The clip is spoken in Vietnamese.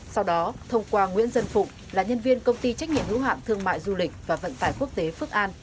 sau đó thông qua nguyễn dân phụng là nhân viên công ty trách nhiệm hữu hạng thương mại du lịch và vận tải quốc tế phước an